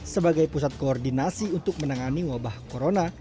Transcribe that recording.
sebagai pusat koordinasi untuk menangani wabah corona